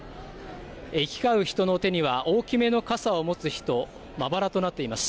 行き交う人の手には大きめの傘を持つ人、まばらとなっています。